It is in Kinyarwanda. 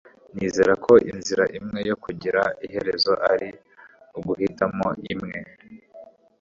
nizera ko inzira imwe yo kugira iherezo ari uguhitamo imwe